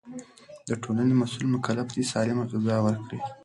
د ټولنې مسؤلين مکلف دي سالمه غذا ورکړي.